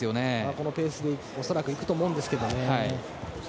このペースで恐らく行くと思うんですけどね。